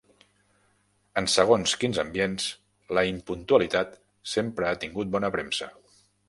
En segons quins ambients, la impuntualitat sempre ha tingut bona premsa.